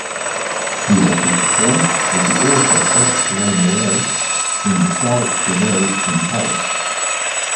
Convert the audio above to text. He also performed with the Orchester Lamoureux in the Salle Gaveau in Paris.